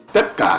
tết bắc bộ